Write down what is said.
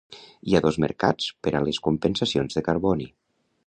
Hi ha dos mercats per a les compensacions de carboni.